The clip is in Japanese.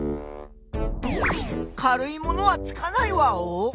軽いものはつかないワオ？